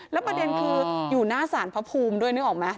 แล้วประเด็นคืออยู่หน้าสารพระภูมิด้วยนึกออกไหม